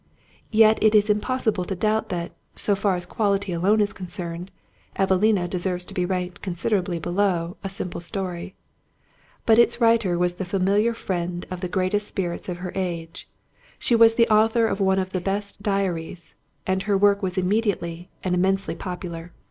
Yet it is impossible to doubt that, so far as quality alone is concerned, Evelina deserves to be ranked considerably below A Simple Story. But its writer was the familiar friend of the greatest spirits of her age; she was the author of one of the best of diaries; and her work was immediately and immensely popular.